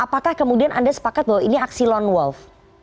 apakah kemudian anda sepakat bahwa ini aksi wanwanin